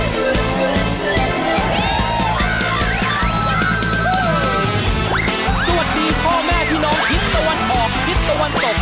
สวัสดีพ่อแม่พี่น้องทิศตะวันออกทิศตะวันตก